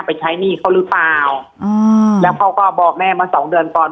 ไปใช้หนี้เขาหรือเปล่าอืมแล้วเขาก็บอกแม่มาสองเดือนก่อน